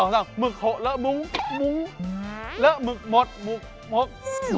๑๒๓หมึกหกแล้วมุ้งแล้วหมึกหมดหมุกหมด